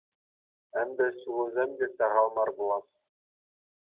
Ӗнтӗ ҫулусем те сахал мар пулас.